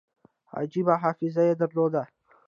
عجیبه حافظه یې درلوده.